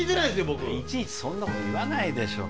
僕いちいちそんなこと言わないでしょ